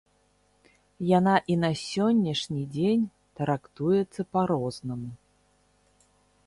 Яна і на сённяшні дзень трактуецца па-рознаму.